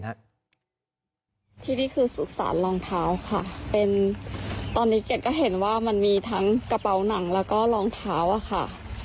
ที่นี่คือสุสานรองเท้าค่ะเป็นตอนนี้เกดก็เห็นว่ามันมีทั้งกระเป๋าหนังแล้วก็รองเท้าอะค่ะ